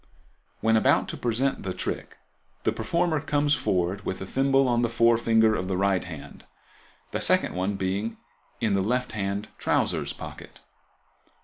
Fig. 24. Palming Thimble. When about to present the trick the performer comes forward with a thimble on the forefinger of the right hand, the second one being in the left hand trousers pocket.